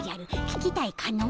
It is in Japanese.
聞きたいかの？